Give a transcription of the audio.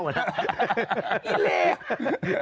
ไอ้เลว